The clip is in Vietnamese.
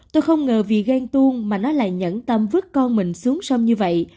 tôi không ngờ vì ghen tuông mà nó lại nhẫn tâm vứt con mình xuống sông như vậy